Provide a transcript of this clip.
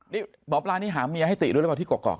นี่หมอปลานี่หาเมียให้ติด้วยหรือเปล่าที่กรอก